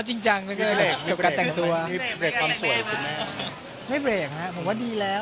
ไม่เยี่ยมดีแล้ว